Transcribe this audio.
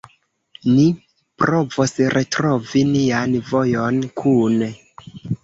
Ni provos retrovi nian vojon kune.